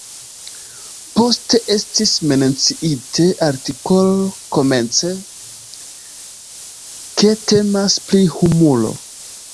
Poste estis menciite artikol-komence, ke temas pri humuro.